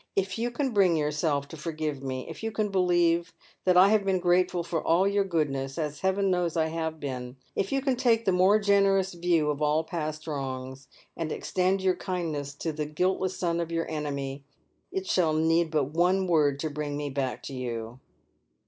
If you can bring your self to forgive me, if you can believe that I have been grateful for all your goodness, as Heaven knows I have been, if you can take the more generous view of all past wrongs and extend your kindness to the guiltless son of your enemj it shall need but one word to bring me back to you.